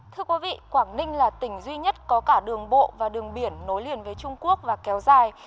thưa quý vị quảng ninh là tỉnh duy nhất có cả đường bộ và đường biển nối liền với trung quốc và kéo dài